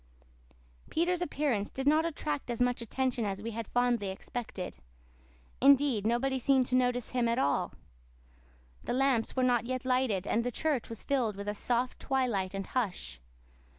Peter's appearance did not attract as much attention as we had fondly expected. Indeed, nobody seemed to notice him at all. The lamps were not yet lighted and the church was filled with a soft twilight and hush.